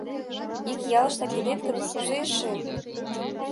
Ик ялыштак илет гын, кузе эше?